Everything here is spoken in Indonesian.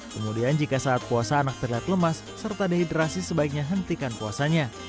kemudian jika saat puasa anak terlihat lemas serta dehidrasi sebaiknya hentikan puasanya